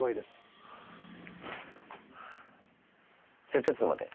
じゃあちょっと待て。